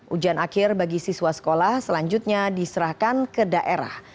ujian akhir bagi siswa sekolah selanjutnya diserahkan ke daerah